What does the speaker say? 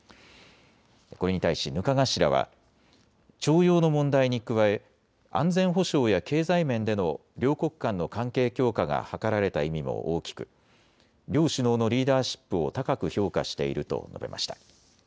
これに対し額賀氏らは徴用の問題に加え安全保障や経済面での両国間の関係強化が図られた意味も大きく両首脳のリーダーシップを高く評価していると述べました。